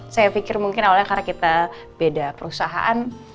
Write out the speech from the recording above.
saya pikir mungkin awalnya karena kita beda perusahaan